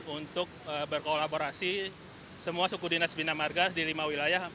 untuk berkolaborasi semua suku dinas bina marga di lima wilayah